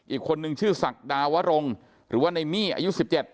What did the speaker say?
อีกคนนึงชื่อศักดาวรงหรือว่าในมี่อายุ๑๗